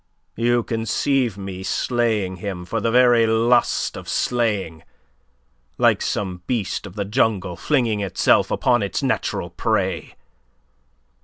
"You conceive me slaying him for the very lust of slaying, like some beast of the jungle flinging itself upon its natural prey.